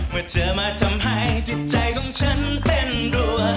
เมื่อเธอมาทำให้จิตใจของฉันเต้นรัว